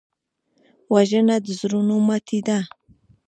وژنه د زړونو ماتې ده